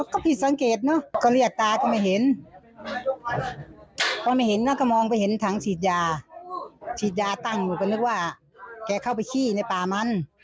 เกลี้ยเข้าไปชี้ในป่ามัน